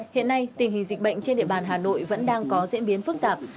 hiện nay tình hình dịch bệnh trên địa bàn hà nội vẫn đang có diễn biến phức tạp